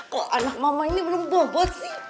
kok anak mama ini belum bobot sih